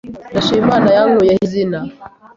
Ndashima Imana yankuyeho izina